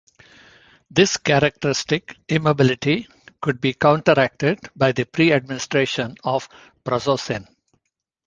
This characteristic immobility could be counteracted by the pre-administration of prazosin.